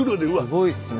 すごいですね。